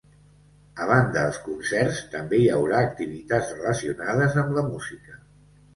A banda els concerts, també hi haurà activitats relacionades amb la música.